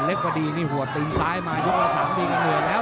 ไขวันเล็กกว่าดีนี่หัวตีนซ้ายมาอยู่กัน๓ทีก็เหนื่อยแล้ว